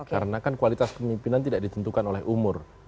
karena kan kualitas pemimpinan tidak ditentukan oleh umur